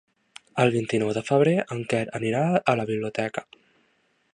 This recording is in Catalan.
El vint-i-nou de febrer en Quer anirà a la biblioteca.